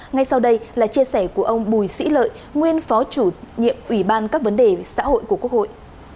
ngay sau đây là chia sẻ của ông bùi sĩ lợi nguyên phó chủ nhiệm ủy ban các vấn đề xã hội của quốc hội